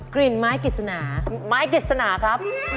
กลิ่นไม้กิจสนา